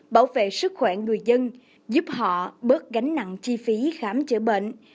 bảo vệ sức khỏe người dân giúp họ bớt gánh nặng chi phí khám chữa bệnh